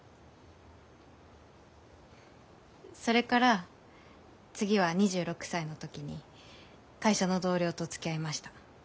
それから次は２６歳の時に会社の同僚とつきあいました。